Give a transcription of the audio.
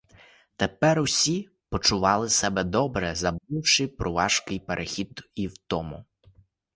Тепер усі почували себе добре, забувши про важкий перехід і втому.